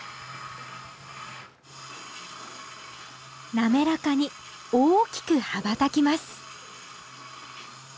滑らかに大きく羽ばたきます